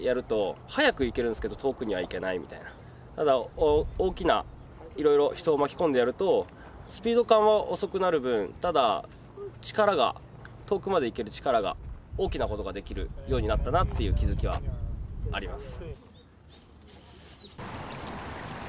ただ大きないろいろ人を巻き込んでやるとスピード感は遅くなる分ただ力が遠くまで行ける力が大きなことができるようになったなという気づきはあります。